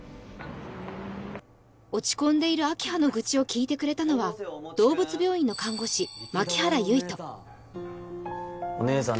落ち込んでいる明葉の愚痴を聞いてくれたのは動物病院の看護師牧原唯斗おねえさん